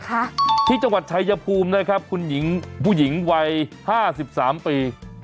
อย่างที่จังหวัดไชยพูมนะครับคุณผู้หญิงวัย๕๓ปี